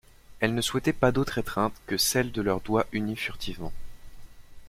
Elle ne souhaitait pas d'autre étreinte que celle de leurs doigts unis furtivement.